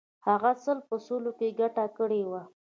هغه سل په سلو کې ګټه کړې وه.